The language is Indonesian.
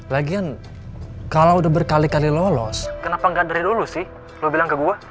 lagian kalau udah berkali kali lolos kenapa gak dari dulu sih lo bilang ke gue